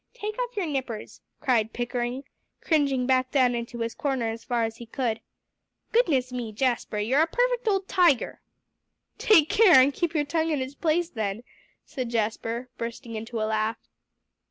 Take off your nippers," cried Pickering, cringing back down into his corner as far as he could. "Goodness me! Jasper, you're a perfect old tiger." "Take care, and keep your tongue in its place then," said Jasper, bursting into a laugh.